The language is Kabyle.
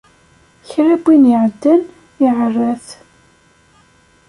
Kra n win iɛeddan, iɛerra-t.